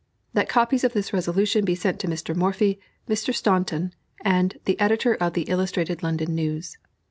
"That copies of this resolution be sent to Mr. Morphy, Mr. Staunton, and the editor of the _Illustrated London News.